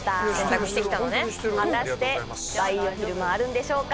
果たしてバイオフィルムはあるんでしょうか？